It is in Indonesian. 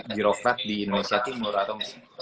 birokrat di indonesia timur atau